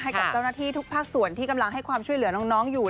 ให้กับเจ้าหน้าที่ทุกภาคส่วนที่กำลังให้ความช่วยเหลือน้องอยู่